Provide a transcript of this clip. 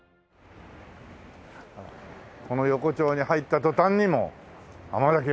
この横丁に入った途端にもう甘酒横丁。